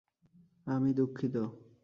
আমি দুঃখিত!